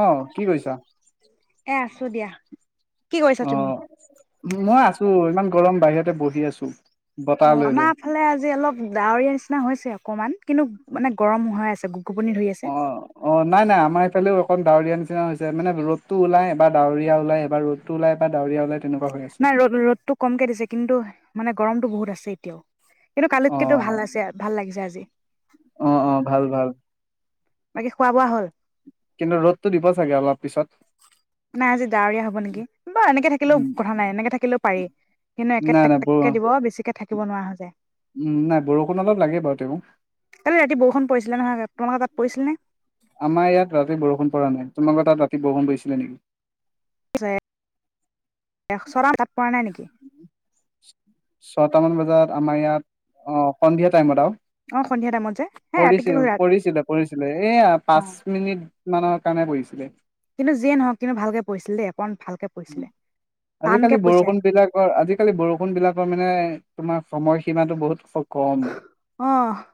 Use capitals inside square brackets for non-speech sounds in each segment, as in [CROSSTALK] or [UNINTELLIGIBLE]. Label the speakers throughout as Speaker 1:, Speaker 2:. Speaker 1: আহ কি কৈছা
Speaker 2: এ আছো দিয়া কি কৰিছা
Speaker 1: অ
Speaker 2: তুমি?
Speaker 1: মই আছো ইমান গৰম বাহিৰতে বহ আছো বতাহ
Speaker 2: অ
Speaker 1: লৈ
Speaker 2: আমাৰ
Speaker 1: লৈ
Speaker 2: ফালে আজি অলপ ডাৱৰীয়া নিচিনা হৈছে আৰু অকণমান কিন্তু মানে গৰম হৈ আছে গ
Speaker 1: অ অ নাই নাই আমাৰ এইফালে অকণ ডাৱৰীয়া নিচিনা হৈছে মানে ৰ'দটো ওলাই এবাৰ ডাৱৰীয়া ওলাই এবাৰ ৰদটো ওলাই এবাৰ ডাৱৰীয়া ওলাই তেনেকুৱা হৈ আছে
Speaker 2: নাই ৰদ ৰ'দটো কমকে দিছে কিন্তু মানে গৰমতটো বহুত আছে এতিয়াও কিন্তু
Speaker 1: অ
Speaker 2: কালিতকেতো ভাল আছে ভাল লাগিছে আজি [UNINTELLIGIBLE]
Speaker 1: অ অ ভাল ভাল
Speaker 2: বাকি খোৱা বোৱা হ'ল?
Speaker 1: কিন্তু ৰ'দটো দিব চাগে অলপ পিছত
Speaker 2: নাই আজি ডাৱৰীয়া হব নেকি, বাৰু এনেকে থাকিলেও
Speaker 1: উম
Speaker 2: কথা নাই এনেকে থাকিলেও পাৰি, কিন্তু একে
Speaker 1: নাই
Speaker 2: টেক
Speaker 1: নাই ব
Speaker 2: টেককে দিব বেছিকে থাকিব নোৱাৰা যায়।
Speaker 1: উম নাই বৰষুণ অলপ লাগে বাৰু তেওঁ
Speaker 2: কালি ৰাতি বৰষুণ পৰিছিলে নহয়, তোমালোকৰ তাত পৰিছিলে নে।
Speaker 1: আমাৰ ইয়াত ৰাতি বৰষুণ পৰা নাই, তোমালোকৰ তাত ৰাতি বৰষুণ পৰিছিলে নেকি?
Speaker 2: [UNINTELLIGIBLE] পৰা নাই নেকি।
Speaker 1: ছয়টা মান বজাত আমাৰ ইয়াত, অ, সন্ধিয়া টাইমত আৰু।
Speaker 2: অ সন্ধিয়া টাইমত যে হে ৰাতিকে
Speaker 1: পৰিছিল, পৰিছিলে পৰিছিলে এয়া
Speaker 2: অ
Speaker 1: পাঁচ মিনিট মানত [UNINTELLIGIBLE] বহিছিলে।
Speaker 2: কিন্তু যিয়ে নহওঁক কিন্তু ভালকে পৰিছিল দেই। অকণ ভালকে পৰিছিলে।
Speaker 1: উম,
Speaker 2: টানকে
Speaker 1: আজিকালি
Speaker 2: পইছে
Speaker 1: বৰষুণ বিলাকৰ, আজিকালি বৰষুণ বিলাকৰ মানে তোমাৰ সময়সীমাটো বহুত স
Speaker 2: অহ,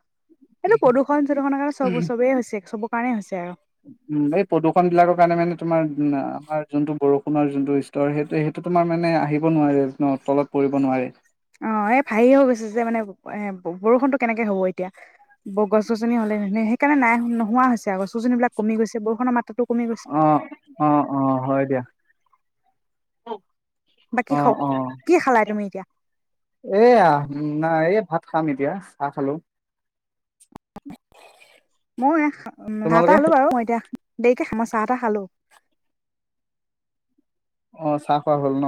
Speaker 2: এইটো প্ৰদূষণ চদূষখনৰ কাৰণে চব চবেই হৈছে চবক কাৰণেই হৈছে আৰু।
Speaker 1: উম, এই প্ৰদূষণ বিলাকৰ কাৰণে মানে তোমাৰ আমাৰ যোনটো বৰষুণৰ যোনটো স্তৰ সেইটো সেইটো তোমাৰ মানে আহিব নোৱাৰে ন, তলত পৰিব নোৱাৰে।
Speaker 2: অ এই হেৰি হৈ গৈছে যে মানে এ বৰষুণতো কেনেকে হ'ব এতিয়া, গছ গছনি হ'লে সেইকাৰণে নাই নোহোৱা হৈছে গছ গছনি বিলাক কমি গৈছে, বৰষুণৰ মাত্ৰাতটো কমি গৈছে।
Speaker 1: অ', অ', অ', [UNINTELLIGIBLE]
Speaker 2: বাকী
Speaker 1: অ,
Speaker 2: খ
Speaker 1: অ,
Speaker 2: কি খালাই তুমি এতিয়া
Speaker 1: এয়া নাই এই ভাত খাম এতিয়া, চাহ খালো।
Speaker 2: [INAUDIBLE] মই এ খা উম,
Speaker 1: তোমালোকে?
Speaker 2: নাপালো বাৰু মই এতিয়া দেৰিকে খাম মই চাহ তাহ খালো।
Speaker 1: অ, চাহ খোৱা হ'ল ন,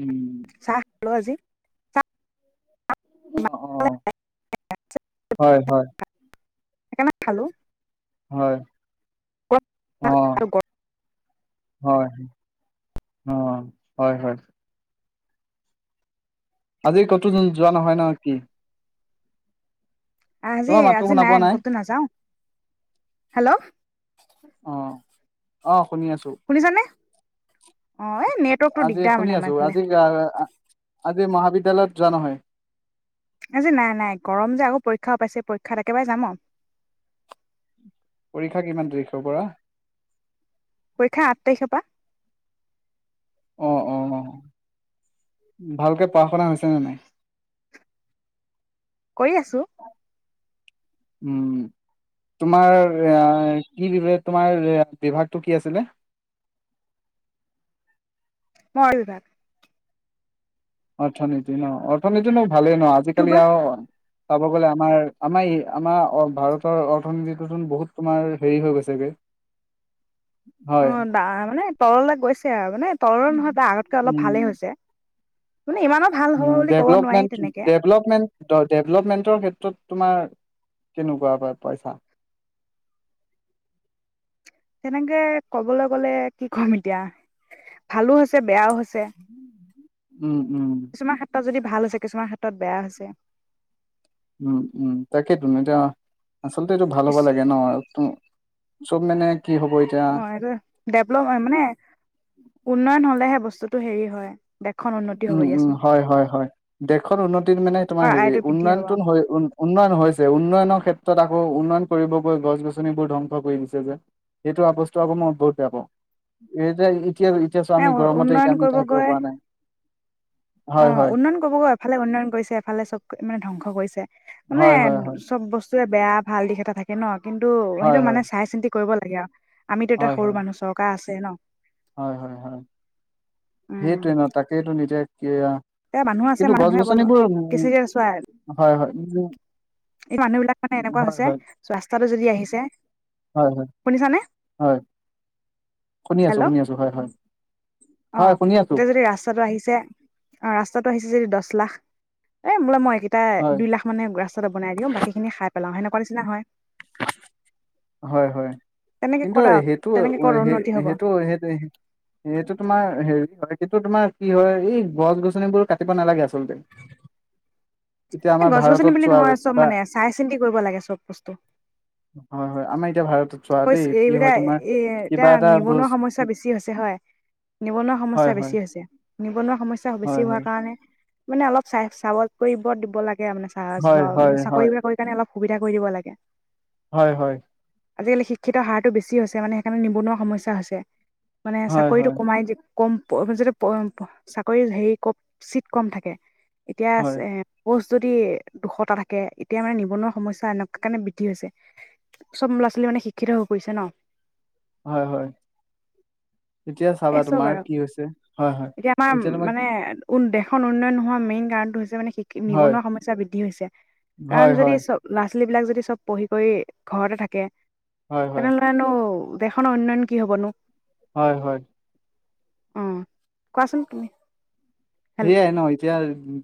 Speaker 1: উম।
Speaker 2: চাহ [UNINTELLIGIBLE] আজি, চাহ
Speaker 1: অ, অ, হয় হয়।
Speaker 2: হে কাণে খালো।
Speaker 1: হয়। অ, হয়। অ, হয় হয়। আজি ক'তো যোৱা নহয় ন কি। তোমাৰ মাতো
Speaker 2: আজি-আজি
Speaker 1: শুনা
Speaker 2: নাই
Speaker 1: পোৱা
Speaker 2: ক'তো নাযাওঁ, হেল্ল'।
Speaker 1: অঁ
Speaker 2: শুনিছানে, অঁ এই নেটৱৰ্কতটো
Speaker 1: আজি
Speaker 2: দিগদাৰ মানে আমাৰ এইফালে।
Speaker 1: এই মহাবিদ্যালয়ত যোৱা নহয়।
Speaker 2: আজি নাই-নাই গৰম যে আকৌ পৰীক্ষাও পাইছে, পৰীক্ষাত একেবাৰে যাম আৰু।
Speaker 1: পৰীক্ষা কিমান তাৰিখৰ পৰা।
Speaker 2: পৰীক্ষা আঠ তাৰিখৰ পৰা।
Speaker 1: অঁ, অ-অ, ভালকে পঢ়া শুনা হৈছে নে নাই।
Speaker 2: কৰি আছো।
Speaker 1: উম, তোমাৰ এ কি বিভাগ তোমাৰ বিভাগটো কি আছিলে।
Speaker 2: [UNINTELLIGIBLE] বিভাগ।
Speaker 1: অৰ্থনীতি ন অৰ্থনীতি নো - ভালেই নহ আজিকালি
Speaker 2: তোমাৰ
Speaker 1: আৰু চাব গ'লে আমাৰ আমাৰ-আমাৰ ভাৰতৰ অৰ্থনীতিটোতোন বহুত তোমাৰ হেৰি হৈ গৈছেগে। হয়
Speaker 2: অঁ দা মানে তললে গৈছে আৰু মানে তললৈ নহয় তাৰ আগতকে অলপ ভালেই হৈছে। মানে ইমানো ভাল হ'ব বুলি ক'ব নোৱাৰি
Speaker 1: ডেভলপমেন্ট
Speaker 2: তেনেকে
Speaker 1: ডেভলপমেন্ট-ডেভলপমেন্টৰ ক্ষেত্ৰত তোমাৰ কেনেকুৱা [UNINTELLIGIBLE] পাইছা।
Speaker 2: তেনেকে ক'বলৈ গলে কি কম এতিয়া, ভালো হৈছে বেয়াও হৈছে
Speaker 1: [UNINTELLIGIBLE] উম উম।
Speaker 2: কিছুমান ক্ষেত্ৰত যদি ভাল হৈছে, কিছুমান ক্ষেত্ৰত বেয়া হৈছে।
Speaker 1: উম উম, তাকেইটো ন এতিয়া আচলতে এইটো ভাল হ'ব
Speaker 2: কিছু
Speaker 1: লাগে ন এক চব মানে কি হ'ব এতিয়া
Speaker 2: অঁ এইটো ডেভলপ মানে উন্নয়ন হলেহে বস্তুটো হেৰি হয়। দেশখন উন্নতি হ'ব
Speaker 1: উম উম,
Speaker 2: দিয়াচোন
Speaker 1: হয় হয়- হয়, দেশত উন্নতিত মানে
Speaker 2: অ
Speaker 1: তোমাৰ হেৰি
Speaker 2: আয়টো বৃদ্ধি হ'ব
Speaker 1: উন্নয়নটো উ উন্নয়ন হৈছে উন্নয়নৰ ক্ষেত্ৰত আকৌ উন্নয়ন কৰিব গৈ গছ গছনিবোৰ ধ্বংস কৰি দিছে যে সেইটো আ বস্তু আকৌ মই বহুত বেয়া পাওঁ, এতিয়া এতিয়া-এতিয়া চোৱা
Speaker 2: নাই
Speaker 1: আমি গৰমতে এতিয়া আমি থাকিব
Speaker 2: গৈ
Speaker 1: পৰা নাই। হয়,
Speaker 2: অঁ
Speaker 1: হয়,
Speaker 2: উন্নয়ন কৰিব গৈ এফালে উন্নয়ন কৰিছে, এফালে চব মানে ধ্বংস কৰিছে। মানে
Speaker 1: হয়, হয়, হয়,
Speaker 2: চব বস্তু [UNINTELLIGIBLE] বেয়া ভাল দিশ এটা থাকে ন। কিন্তু,
Speaker 1: হয়,
Speaker 2: সেইটো
Speaker 1: হয়,
Speaker 2: মানে চাই চিন্তি কৰিব লাগে আৰু। আমিটো এতিয়া
Speaker 1: হয়, হয়,
Speaker 2: সৰু মানুহ, চৰকাৰ আছ [UNINTELLIGIBLE]
Speaker 1: হয় হয় হয়।
Speaker 2: উম
Speaker 1: সেইটোয়ে ন তাকেটো নিজে কিয়া।
Speaker 2: এয়া মানুহ আছে
Speaker 1: কিন্তু গছ
Speaker 2: মানুহে অকল
Speaker 1: গছনিবোৰ উ
Speaker 2: কিছু চোৱা
Speaker 1: হয় হয়
Speaker 2: এই মানুহ বিলাক মানে এনেকুৱা
Speaker 1: হয়
Speaker 2: হৈছে,
Speaker 1: হয়
Speaker 2: চোৱা্থাটো যদি আহিছে,
Speaker 1: হয় হয়
Speaker 2: শুনিছানে?
Speaker 1: হয় শুনি আছো
Speaker 2: হেল্ল'
Speaker 1: শুনি আছো হয় হয়
Speaker 2: অ
Speaker 1: হয় শুনি আছো
Speaker 2: এতিয়া যদি ৰাস্তাটো আহিছে অ ৰাস্তাটো আহিছে যদি দহ লাখ এ বোলে মই [UNINTELLIGIBLE] কেইটা
Speaker 1: হয়
Speaker 2: দুই লাখ মানে বনাই দিওঁ বাকীখিনি হাত পেলাও সেনেকুৱা নিচনা হয়।
Speaker 1: হয় হয়
Speaker 2: তেনেকে
Speaker 1: কিন্তু
Speaker 2: ক'ত আৰু
Speaker 1: সেইটো
Speaker 2: তেনেকে ক'ত
Speaker 1: সেই
Speaker 2: উন্নতি হব
Speaker 1: সেইটো সেইটো সেইটো তোমাৰ হেৰি হয় কিনটো তোমাৰ কি হয় এই গছ গছনিবোৰ কাটিব নালাগে আচলতে। এতিয়া
Speaker 2: এ
Speaker 1: আমাৰ
Speaker 2: গছ গছনি
Speaker 1: ভাৰতত
Speaker 2: বুলি
Speaker 1: চোৱা
Speaker 2: নহয় চব
Speaker 1: কিবা
Speaker 2: মানে চাই চিন্তি কৰিব লাগে চব বস্তু।
Speaker 1: হয় হয় আমাৰ এতিয়া ভাৰত
Speaker 2: ক এইবিলাক এ এতিয়া
Speaker 1: এটা
Speaker 2: নিবনুৱা
Speaker 1: বজ
Speaker 2: সমস্যা বেছি হৈছে হয় নিবনুৱা
Speaker 1: হয়
Speaker 2: সমস্যা
Speaker 1: হয়
Speaker 2: বেছি হৈছে নিবনুৱা সমস্যা বেছি
Speaker 1: হয়
Speaker 2: হোৱাৰ
Speaker 1: হয়
Speaker 2: কাৰণে মানে অলপ চাই চাপ্ট্ কৰিব দিব লাগে। মানে চাহ
Speaker 1: হয়
Speaker 2: চাকৰি
Speaker 1: হয়
Speaker 2: বিাক কাৰণে অলপ সুবিধা কৰি দিব লাগে।
Speaker 1: হয় হয়।
Speaker 2: আজিকালি শিক্ষিতৰ হাৰটো বেছি হৈছে মানে সেইকাৰণে নিবনুৱা সমস্যা হৈছে। মানে
Speaker 1: হয় হয় হয়
Speaker 2: চাকৰিতটো কমাই দি কম যাতে চাকৰি হেৰি চিট কম থাকে। এতিয়া
Speaker 1: হয়
Speaker 2: আছে পোস্ট যদি দুশটাা থাকে এতিয়া মানে নিবনুৱা সমস্যা এনেকুৱা কাৰণে বৃদ্ধি হৈছে চব আজি কালি মানে শিক্ষিত হৈ পৰিছে ন।
Speaker 1: হয় হয়। তেতিয়া
Speaker 2: এ
Speaker 1: চাবা
Speaker 2: চব
Speaker 1: তোমাৰ
Speaker 2: আৰু
Speaker 1: কি হৈছে হয় হয় তেতিয়া তোমাৰ
Speaker 2: উ দেশখন উন্নয়ন হোৱা মেইন কাৰণটো হৈছে মানে
Speaker 1: হয়
Speaker 2: নিবনুৱা সমস্যা বৃদ্ধি হৈছে কাৰণ
Speaker 1: হয়
Speaker 2: যদি
Speaker 1: হয়
Speaker 2: চব ছী বিলাক যদি চব পঢ়ি কৰি ঘৰতে থাকে
Speaker 1: হয় হয়
Speaker 2: [UNINTELLIGIBLE] দেখনৰ উন্নয়ন কি হ'বনো।
Speaker 1: হয় হয়।
Speaker 2: অ কোৱাচোন কিনি
Speaker 1: সেয়াই নহ এতিয়া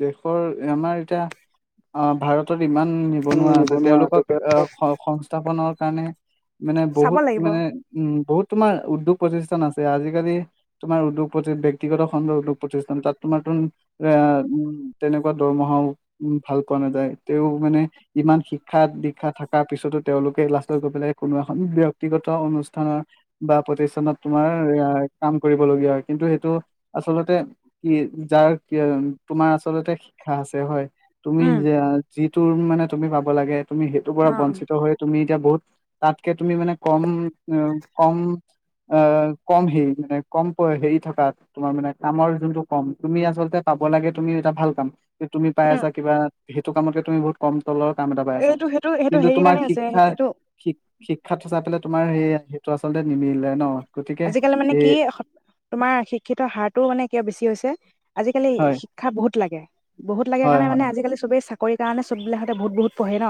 Speaker 1: দেশৰ আমাৰ এতিয়া অ ভাৰত ইমান নিবনুৱা আছে তেওঁলোকক আহ সংস্থাপনৰ কাৰণে মানে
Speaker 2: চাব
Speaker 1: বহুত
Speaker 2: লাগিব
Speaker 1: মানে উম বহুত তোমাৰ উদ্যোগ প্ৰতিষ্ঠান আছে আজিকালি তোমাৰ উদ্যোগ প্ৰতি ব্যক্তিগত খণ্ড উদ্যোগ প্ৰতিষ্ঠান তাত তোমাৰ তোন এ তেনেকুৱা দৰমহাও উ ভাল পোৱা নেযায় তেওঁ মানে ইমান শিক্ষা দীক্ষা থকাৰ পিছতো তেওঁলোকে লাষ্টত গৈ পেলাই কোনো এখন ব্যক্তিগত অনুষ্ঠানৰ বা প্ৰতিষ্ঠানত তোমাৰ এ কাম কৰিব লগীয়া হয় কিন্তু সেইটো আচলতে কি যাৰ তোমাৰ আচলতে শিক্ষা আছে হয় তুমি
Speaker 2: উম
Speaker 1: যে যিটো মানে তুমি পাব লাগে তুমি সেইটোৰ
Speaker 2: অ
Speaker 1: পৰা
Speaker 2: উম
Speaker 1: বঞ্চিত হৈ তুমি এতিয়া বহুত তাতকে তুমি মানে কম কম আহ কম হে মানে কম হেৰি থকা তোমাৰ মানে কামৰ যোনটো কম তুমি আচলতে পাব লাগে তুমি এটা ভাল কাম তুমি পাই আছা কিবা সেইটো কামতকে তুমি বহুত কম তলৰ কাম এটা পাই আছা
Speaker 2: এইটো সেইটো সেইটো
Speaker 1: কিন্তু
Speaker 2: হেৰি
Speaker 1: তোমাৰ
Speaker 2: কাৰণে আছে
Speaker 1: শিক্ষা
Speaker 2: এইটো
Speaker 1: শিক্ষাতো চাই পেলাই তোমাৰ সেই সেইটো আচলতে নিমিলে ন গতিকে
Speaker 2: আজিকালি মানে
Speaker 1: এই
Speaker 2: কি তোমাৰ শিক্ষিত হাৰটো মানে কিয় বেছি হৈছে আজিকালি
Speaker 1: হয়
Speaker 2: শিক্ষা বহুত লাগে বহুত লাগে
Speaker 1: হয়
Speaker 2: কাৰণে
Speaker 1: হয়
Speaker 2: মানে আজিকালি চবেই চা কৰি কাৰণে চববিলাকহঁতে বহুত বহুত পঢ়ে ন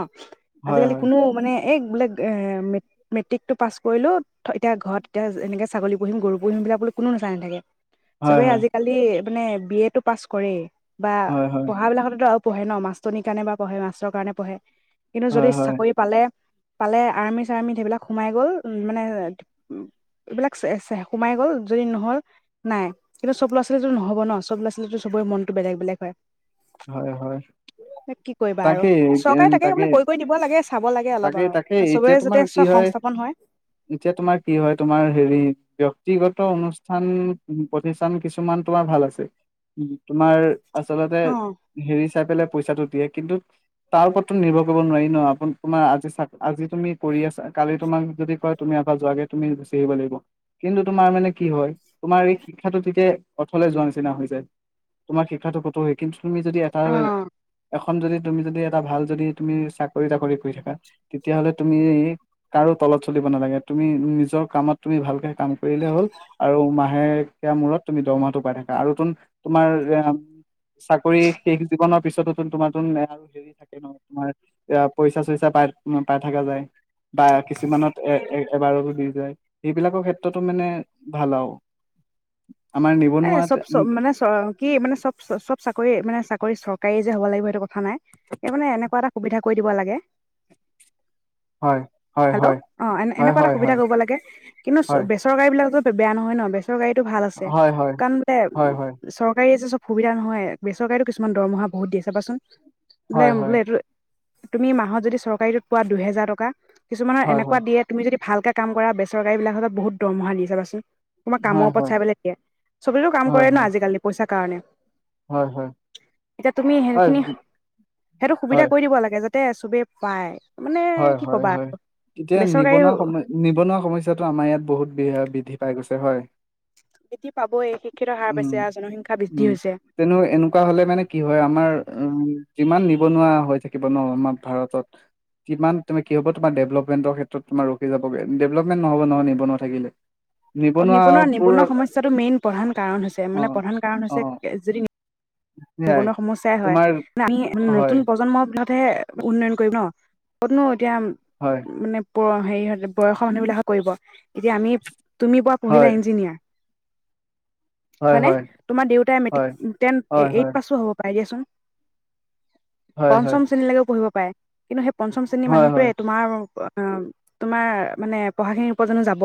Speaker 1: হয়
Speaker 2: আজিকালি
Speaker 1: হয়
Speaker 2: কোনো মানে এই বোলে এ মে মেট্ৰিক টো পাছ কৰিলো এতিয়া ঘৰত এতিয়া এনেকে ছাগলী পুহিম গৰু পুহিম বোলে কোনো নেচাই নাথাকে
Speaker 1: হয়
Speaker 2: চবেই
Speaker 1: হয়
Speaker 2: আজিকালি মানে বি এ তটো পাছ কৰেই বা
Speaker 1: হয় হয়
Speaker 2: পঢ়া বিলাকততো আও পঢ়ে ন মাছটনীৰ কাৰণে বা পঢ়ে‌ মাষ্টাৰৰ কাৰণে পঢ়ে কিন্তু যদি
Speaker 1: হয় হয়
Speaker 2: চাকৰি পালে পালে আৰ্মি চাৰ্মি সেইবিলাক সোমাই গ'ল মানে এইবিলাক ছে ছে সোমাই গ'ল যদি নহ'ল নাই কিন্তু সব ল'ৰা ছোৱালীতো নহ'ব ন চব ল'ৰা ছোৱালীতো চবৰে মনটো বেলেগ বেলেগ হয়
Speaker 1: হয় হয়
Speaker 2: কি কৰিবা আৰু
Speaker 1: তাকেই
Speaker 2: চৰকাৰে
Speaker 1: তাকে
Speaker 2: মানে কৈ কৈ দিব লাগে চাব লাগে অলপ
Speaker 1: তাকে তাকে
Speaker 2: আৰু চবৰে
Speaker 1: এতিয়া
Speaker 2: যাতে
Speaker 1: তোমাৰ কি হয়
Speaker 2: সংস্থাপন
Speaker 1: এতিয়া তোমাৰ কি হয় তোমাৰ হেৰি ব্যক্তিগত অনুষ্ঠান প্ৰতিষ্ঠান কিছুমান তোমাৰ ভাল আছে তোমাৰ আচলতে
Speaker 2: অ
Speaker 1: হেৰী চাই পেলাই পইচাটো দিয়ে কিন্তু তাৰ ওপৰতো নিৰ্ভৰ কৰিব নোৱাৰি ন আপ তোমাৰ আজি চ আজি তুমি কৰি আছা কালি তোমাক যদি কয় তুমি ইয়াৰ পা যোৱাগে তুমি গুচি আহিব লাগিব কিন্তু তোমাৰ মানে কি হয় তোমাৰ এই শিক্ষাটো তেতিয়া অথলে যোৱা নিচিনা হৈ যায় তোমাৰ শিক্ষাটো ক'তো হয় কিন্তু তুমি যদি এটা
Speaker 2: অ
Speaker 1: এস যদি তুমি যদি এটা ভাল যদি তুমি চাকৰি তাকৰি কৰি থাকা তেতিয়াহ'লে তুমি কাৰো তলত চলিব নেলাগে তুমি নিজৰ কামত তুমি ভালকে কাম কৰিলে হ'ল আৰু মাহেকীয়া মূৰত তুমি দৰমাহাটো পাই থাকা আৰু তোন তোমাৰ এ চাকৰি শেষ জীৱনৰ পিছত তোমাৰোন আৰু হেৰি থাকে ন তোমাৰ পইচা চইচা প পাই থকা যায় বা কিছুমানত এ এ এবাৰতো দি যায় সেইবিলাকৰ ক্ষেত্ৰতো মানে ভাল আৰু আমাৰ
Speaker 2: এ
Speaker 1: নিবনুৱাত
Speaker 2: চব
Speaker 1: উম,
Speaker 2: চব মানে চ কি মানে চব চব চৰি মানে চাকৰি চৰকাৰী যে হ'ব লাগিব সেইটো কথা নাই স মানে এনেকুৱা এটা সুবিধা কৰি দিব লাগে
Speaker 1: হয় হয়
Speaker 2: হেল্ল'
Speaker 1: হয়
Speaker 2: অ এ
Speaker 1: হয়
Speaker 2: এনেকুৱা এটা
Speaker 1: হয়
Speaker 2: সুবিধা
Speaker 1: হয়
Speaker 2: কৰিব লাগে কিন্তু
Speaker 1: হয়
Speaker 2: বেচৰকাৰী বিলাকত বেয়া নহয় ন বে গাড়ীতটো ভাল আছে
Speaker 1: হয় হয়
Speaker 2: কাৰণ বোলে
Speaker 1: হয় হয়
Speaker 2: চৰকাৰী আছে চ সুবিধা নহয় বেচৰকাৰীো কিছুমান দৰমহা বহুত দিয়ে চাবাচোন
Speaker 1: হয়
Speaker 2: ব্লেম
Speaker 1: হয়
Speaker 2: ব্লে তুমি মাহত যদি চৰকাৰীটোত পোৱা দুহেজাৰ টকা কিছুমান
Speaker 1: হয়
Speaker 2: এনেকুৱা
Speaker 1: হয়
Speaker 2: দিয়েুমি যদি ভালকে কাম কৰা বেচৰকাৰী বিলাকত বহুত দৰমহা দিছে বাাচোন তোমাৰ কামৰ
Speaker 1: হয়
Speaker 2: ওপৰত
Speaker 1: হয়
Speaker 2: চাই পেলাই এতিয়া চবিলে কাম
Speaker 1: হয়
Speaker 2: কৰে ন
Speaker 1: হয়
Speaker 2: আজিকালি পইচা কাৰণ
Speaker 1: হয় হয়
Speaker 2: এতিয়া তুমি সেন
Speaker 1: হয়
Speaker 2: খিনি সেইটো সুবিধা
Speaker 1: হয়
Speaker 2: কৰি দিব লাগে যা তাতে চবেই পায় মানে
Speaker 1: হয়
Speaker 2: কি
Speaker 1: হয়
Speaker 2: ক'বা
Speaker 1: হয়
Speaker 2: আৰু
Speaker 1: এতিয়া
Speaker 2: বেচৰকাৰী
Speaker 1: নিবনুৱা সম নিবনুৱা সমস্য়াতটো আমাৰ ইয়াত বহুত বৃদ্ধি পাই গৈছে হয়
Speaker 2: বৃদ্ধি পাবই শিক্ষিত হাৰ
Speaker 1: উম
Speaker 2: পাইছে আৰু জনসংখ্যা বৃদ্ধি
Speaker 1: উম
Speaker 2: হৈছে।
Speaker 1: তেনে এনেকুৱা হলে মানে কি হয় আমাৰ উ যিমান নিবনুৱা হৈ থাকিব ন আমাৰ ভাৰতত কিমান তুম কি হব তোমাৰ ডেভেলপমেণ্টৰ ক্ষেত্ৰত তোমাৰ ৰখি যাবৈেভলপমেণ্ নহবহয় নিবনুৱা থিলে
Speaker 2: অ নিবনুৱা নিবনুৱা সমস্্যাটো মেইন প্ৰধান কাৰণ হৈছে
Speaker 1: অ
Speaker 2: মানে প্ৰধান কাৰণ
Speaker 1: অ
Speaker 2: হৈছে যদি
Speaker 1: সেয়াই
Speaker 2: জীৱনৰ সমস্য়াই হয়
Speaker 1: তোমাৰ
Speaker 2: আমি
Speaker 1: হয়
Speaker 2: নতুন প্ৰজন্মৰ উনতহে উন্নয়ন কৰিব ন কতনো এতিয়া
Speaker 1: হয়
Speaker 2: মানে হেৰি বয়সৰ মানুহ বিলাকে কৰিব এতিয়া আমি তুমি বোৱা পঢ়িলা
Speaker 1: হয়
Speaker 2: ইঞ্জিনিয়াৰ হয় ন তোমাৰ দেউতাই মেটিক
Speaker 1: হয় হয় হয়
Speaker 2: হ'ব পাই দিয়াচোন
Speaker 1: হয় হয়
Speaker 2: পঞ্চম শ্ৰেণীলৈকেও পঢ়িব পাৰে কিন্তু সেই পঞ্চম শ্ৰেণীৰ
Speaker 1: হয়
Speaker 2: মানুহটোৱে
Speaker 1: হয়
Speaker 2: তোমাৰ অ তোমাৰ মানে পঢ়াখিনিৰ উপৰত যানো যাব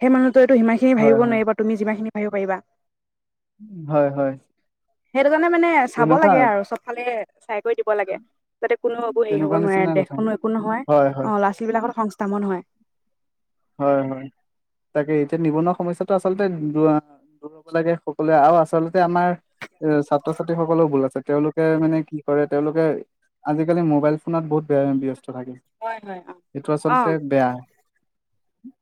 Speaker 2: সেই মানুহ ত এই সিমানখিনি
Speaker 1: হয়
Speaker 2: ভাবিব
Speaker 1: হয়
Speaker 2: নোৱাৰিব তুমি যিমানখিনি পাৰিবা
Speaker 1: হয় হয়
Speaker 2: জানে মানে চাব
Speaker 1: তেনেকুৱা
Speaker 2: লাগে আৰু চবফালে চাই দিব লাগে যাতে কোনো একো হেৰি হ'ব
Speaker 1: তেনেকুৱা
Speaker 2: নোৱাৰে
Speaker 1: নিচিনা
Speaker 2: দেশ
Speaker 1: কথা
Speaker 2: কোনো একো নহয়
Speaker 1: হয়
Speaker 2: অ
Speaker 1: হয়
Speaker 2: ল'ৰা ছোৱালী বিলাকত সংচ তামন হয়
Speaker 1: হয় হয় তাকে এতিয়া নিবনুৱা সমস্যাটো আচলতে দু আ দুষ হ'ব লাগে সকলোৱে আৰু আচলতে আমাৰ এ ছাত্ৰ ছাত্ৰী সকলেও ভুল আছে তেওঁলোকে মানে কি কৰে তেওঁলোকে আজিকালি মোবাইল ফোনত বহুত বেয়া ব্যস্ত থাকে
Speaker 2: হয় হয়
Speaker 1: সেইটো
Speaker 2: অ অ
Speaker 1: আচলতে বেয়া উম